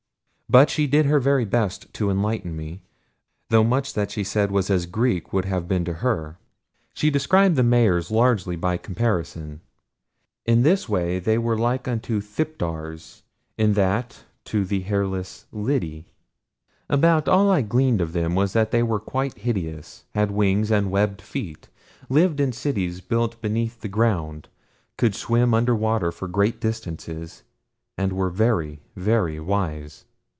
But she did her very best to enlighten me, though much that she said was as Greek would have been to her. She described the Mahars largely by comparisons. In this way they were like unto thipdars, in that to the hairless lidi. About all I gleaned of them was that they were quite hideous, had wings, and webbed feet; lived in cities built beneath the ground; could swim under water for great distances, and were very, very wise.